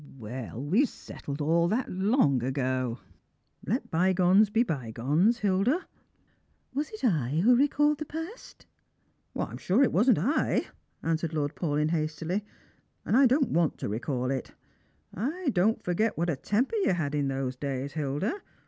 " 0, well, we settled all that ever so long ago. Let bygones be bygones, Hilda." " Was it I who recalled the past ?"" I'm sure it wasn't I," answered Lord Paulyn hastily, " and J don't want to recall it. I don't forget what a temper you had in those days, Hilda.